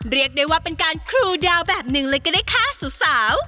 เรียกได้ว่าเป็นการครูดาวแบบหนึ่งเลยก็ได้ค่ะสาว